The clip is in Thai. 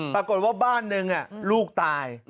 ปรากฏว่าบ้านหนึ่งลูกตาย